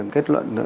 đã phát hiện được